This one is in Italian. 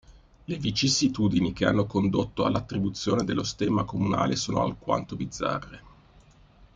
Le vicissitudini che hanno condotto all'attribuzione dello stemma comunale sono alquanto bizzarre.